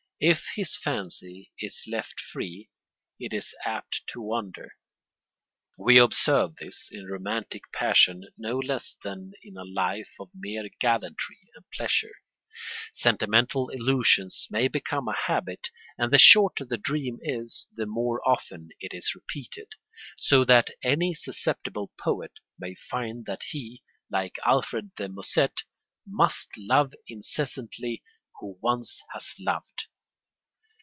If his fancy is left free, it is apt to wander. We observe this in romantic passion no less than in a life of mere gallantry and pleasure. Sentimental illusions may become a habit, and the shorter the dream is the more often it is repeated, so that any susceptible poet may find that he, like Alfred de Musset, "must love incessantly, who once has loved."